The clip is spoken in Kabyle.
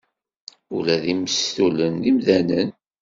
Ula d imestulen d imdanen.